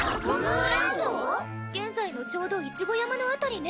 現在のちょうど一五山の辺りね。